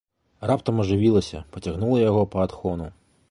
Раптам ажывілася, пацягнула яго па адхону.